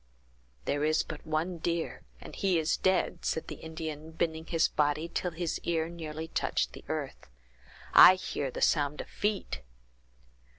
"There is but one deer, and he is dead," said the Indian, bending his body till his ear nearly touched the earth. "I hear the sounds of feet!"